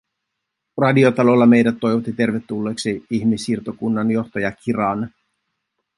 Radiotalolla meidät toivotti tervetulleeksi ihmissiirtokunnan johtaja Kiran.